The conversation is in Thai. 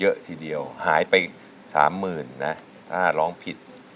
เยอะทีเดียวหายไปสามหมื่นนะถ้าร้องผิด